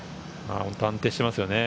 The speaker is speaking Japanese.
ホント安定していますよね。